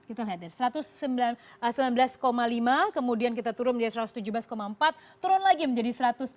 kita lihat dari satu ratus sembilan belas lima kemudian kita turun menjadi satu ratus tujuh belas empat turun lagi menjadi satu ratus enam puluh